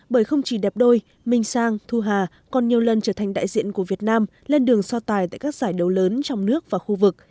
bởi không chỉ đẹp đôi minh sang thu hà còn nhiều lần trở thành đại diện của việt nam lên đường so tài tại các giải đấu lớn trong nước và khu vực